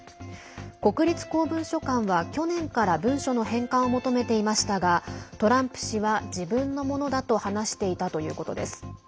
国立公文書館は去年から文書の返還を求めていましたがトランプ氏は自分のものだと話していたということです。